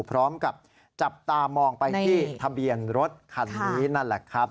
พร้อมกับจับตามองไปที่ทะเบียนรถคันนี้นั่นแหละครับ